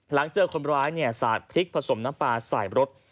หลังเจอคนร้ายสาดพริกผสมน้ำปลาใส่รถ